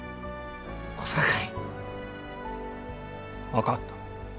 分かった。